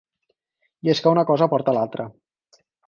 I és que un cosa porta l’altra.